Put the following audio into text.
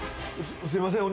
すいません。